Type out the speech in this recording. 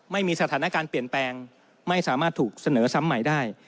ไม่มีสถานการณ์เปลี่ยนแปลงไม่สามารถถูกเสนอซ้ำใหม่ได้